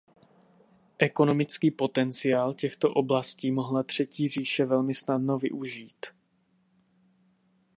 Ekonomický potenciál těchto oblastí mohla Třetí říše velmi snadno využít.